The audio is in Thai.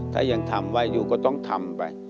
ถ้ายังทำไว้อยู่ก็ต้องทำไป